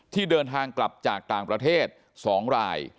ที่เดินทางกลับจากต่างประเทศ๒ราย